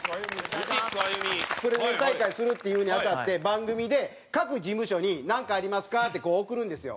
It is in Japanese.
プレゼン大会するっていうのに当たって番組で各事務所に「なんかありますか？」ってこう送るんですよ。